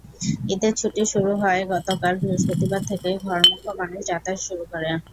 ঈদের ছুটি শুরু হওয়ায় গতকাল বৃহস্পতিবার থেকে ঘরমুখো মানুষ যাতায়াত শুরু করে।